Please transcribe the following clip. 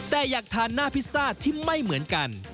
แต่อยากทานหน้าพิซซ่าที่ไม่เหมือนกัน